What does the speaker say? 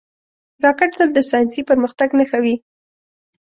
راکټ تل د ساینسي پرمختګ نښه وي